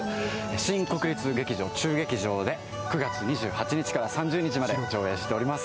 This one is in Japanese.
新国立劇場中劇場で９月２８日から３０日まで上演しております。